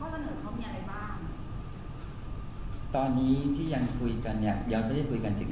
แล้วถ้าที่ตอนนี้คุณมีโทรศัพท์มีอีกฝ่ายเขาเข้าใจไหมครับ